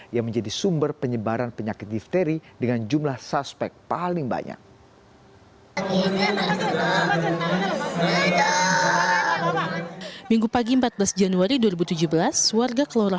yang menjadi sumber penyebaran penyakit difteri dengan jumlah suspek paling banyak